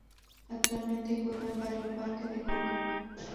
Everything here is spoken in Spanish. Actualmente juega en Barrio Parque de Córdoba.